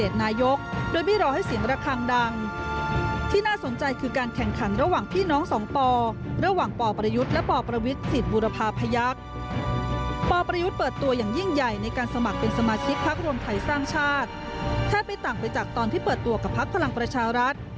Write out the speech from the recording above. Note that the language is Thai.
ติดตามจากรายงานครับ